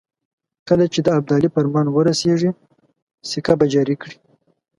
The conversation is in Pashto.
کله چې د ابدالي فرمان ورسېږي سکه به جاري کړي.